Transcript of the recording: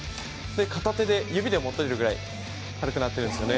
片手で、指で持てるぐらい軽くなっているんですね。